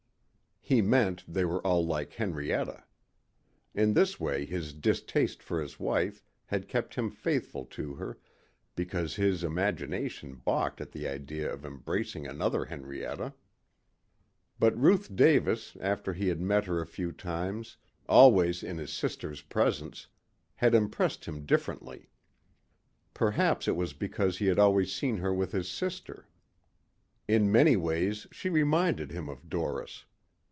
He meant they were all like Henrietta. In this way his distaste for his wife had kept him faithful to her because his imagination balked at the idea of embracing another Henrietta. But Ruth Davis after he had met her a few times, always in his sister's presence, had impressed him differently. Perhaps it was because he had always seen her with his sister. In many ways she reminded him of Doris.